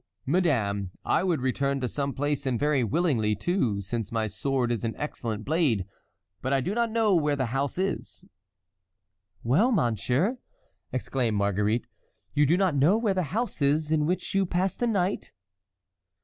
"Madame, I would return to some place and very willingly too, since my sword is an excellent blade, but I do not know where the house is." "What, monsieur?" exclaimed Marguerite. "You do not know where the house is in which you passed the night?"